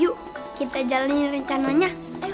yuk kita jalanin rencananya